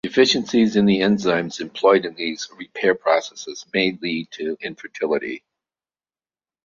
Deficiencies in the enzymes employed in these repair processes may lead to infertility.